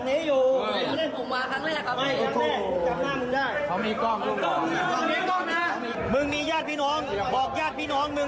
มันเหยียวอันนี้มันว่าไอ้แห่งมันเปล่าไอ้แห่งมันกล้ามันกล้ามันกล้ามันกล้า